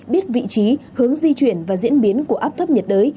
biết vị trí hướng di chuyển và diễn biến của áp thấp nhiệt đới